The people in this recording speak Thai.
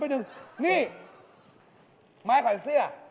รอไปหนึ่งนี่หมายผ่านเสื้อ